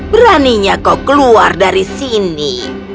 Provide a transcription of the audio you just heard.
beraninya kau keluar dari sini